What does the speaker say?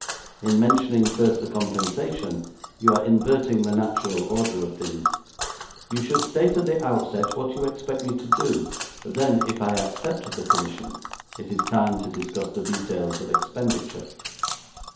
In mentioning first the compensation, you are inverting the natural order of things. You should state at the outset what you expect me to do, then, if I accept the commission, it is time to discuss the details of expenditure.'